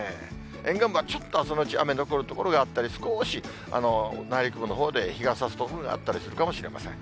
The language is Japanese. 沿岸部はちょっと朝のうち雨残る所があったり、少し内陸部のほうで日がさす所があったりするかもしれません。